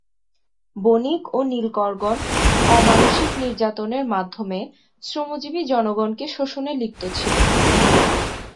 বণিক ও নীলকরগণ অমানুষিক নির্যাতনের মাধ্যমে শ্রমজীবী জনগণকে শোষণে লিপ্ত ছিল।